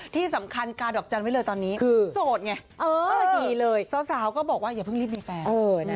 ที่สำคัญกาดอกจันทร์ไว้เลยตอนนี้คือโสดไงดีเลยสาวก็บอกว่าอย่าเพิ่งรีบมีแฟน